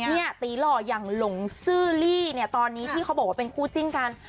เนี่ยตีหล่ออย่างหลงซื่อลี่เนี่ยตอนนี้ที่เขาบอกว่าเป็นคู่จิ้นกัน